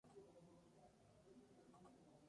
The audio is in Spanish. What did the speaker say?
La descripción de biota contiene un repertorio.